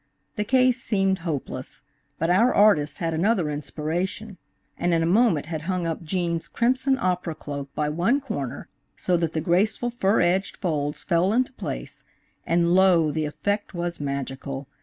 The case seemed hopeless, but our artist had another inspiration, and in a moment had hung up Gene's crimson opera cloak by one corner so that the graceful fur edged folds fell into place, and lo, the effect was magical.